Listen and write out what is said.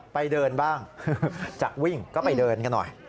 ไปเดินบ้างจากวิ่งก็ไปเดินกันหน่อย